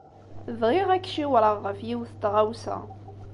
Bɣiɣ ad k-ciwṛeɣ ɣef yiwet n tɣawsa.